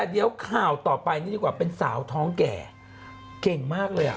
เดี๋ยวข่าวต่อไปนี่ดีกว่าเป็นสาวท้องแก่เก่งมากเลยอ่ะ